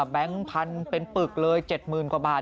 แบงค์พันธุ์เป็นปึกเลย๗๐๐๐๐กว่าบาท